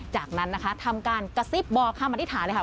จากนั้นนะคะทำการกระซิบบอกคำอธิษฐานเลยค่ะ